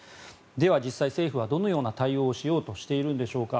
では実際政府はどのような対応をしようとしているんでしょうか。